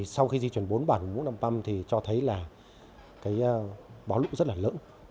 sau khi di chuyển bốn bản của nậm păm thì cho thấy là bó lũ rất là lớn